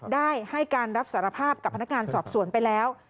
ได้ให้การรับสารภาพกับพนักงานสอบสวนไปแล้ว